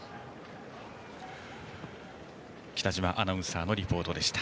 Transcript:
北嶋アナウンサーのリポートでした。